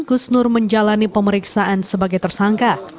gusnur menjalani pemeriksaan sebagai tersangka